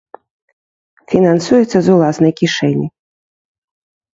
Фінансуецца з уласнай кішэні.